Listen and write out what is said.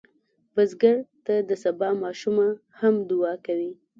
بزګر ته د سبا ماشومه هم دعا کوي